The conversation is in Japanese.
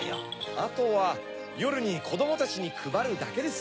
あとはよるにこどもたちにくばるだけです。